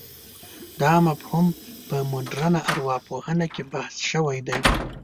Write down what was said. دا مفهوم په مډرنه ارواپوهنه کې بحث شوی دی.